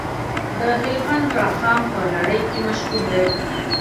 د هلمند رخام په نړۍ کې مشهور دی